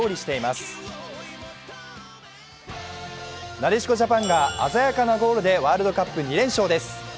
なでしこジャパンが鮮やかなゴールでワールドカップ２連勝です。